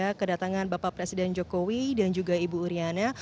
melihat kedatangan bapak presiden jokowi dan juga ibu uriana